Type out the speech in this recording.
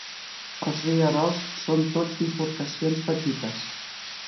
Els rierols són tots bifurcacions petites.